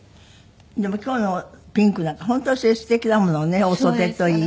でも今日のピンクなんか本当それすてきだものねお袖といい。